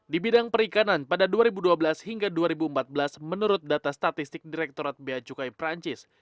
di bidang perikanan pada dua ribu dua belas hingga dua ribu empat belas menurut data statistik direkturat beacukai perancis